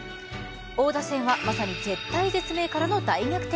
王座戦はまさに絶体絶命からの大逆転。